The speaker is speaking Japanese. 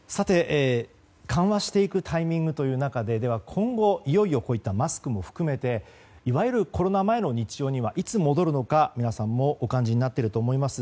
緩和していくタイミングという中では今後、いよいよこういったマスクも含めていわゆるコロナ前の日常にはいつ戻るのか皆さんもお感じになっていると思います。